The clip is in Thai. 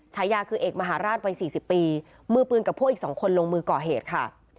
ฉายาคือเอกมหาราชวัย๔๐ปีมือปืนกับพวกอีก๒คนลงมือก่อเหตุค่ะ